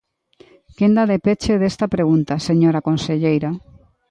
Quenda de peche desta pregunta, señora conselleira.